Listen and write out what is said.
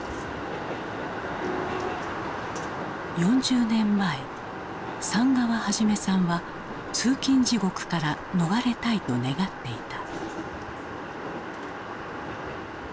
４０年前寒川一さんは通勤地獄から逃れたいと願っていた。